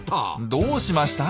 どうしました？